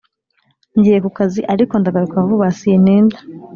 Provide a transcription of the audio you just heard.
Ngiye kukazi ariko ndagaruka vuba sintinda